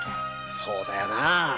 そうだよなぁ。